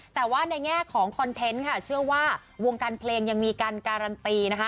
แต่ว่าในแง่ของคอนเทนต์ค่ะเชื่อว่าวงการเพลงยังมีการการันตีนะคะ